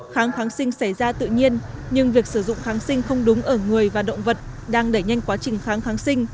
kháng kháng sinh xảy ra tự nhiên nhưng việc sử dụng kháng sinh không đúng ở người và động vật đang đẩy nhanh quá trình kháng kháng sinh